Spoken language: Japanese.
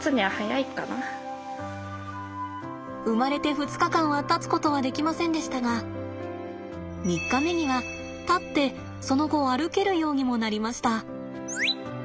生まれて２日間は立つことはできませんでしたが３日目には立ってその後歩けるようにもなりました。